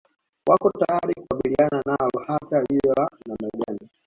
Wako tayari kukabiliana nalo hata liwe la namna gani